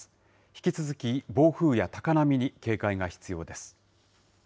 引き続き、暴風や高波に警戒が必要です。